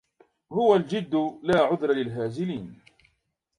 هو الجد لا عذر للهازلين